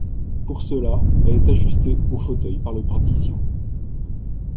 Pour cela elle est ajustée au fauteuil par le praticien.